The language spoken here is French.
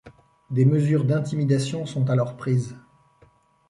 Des mesures d'intimidation sont alors prises.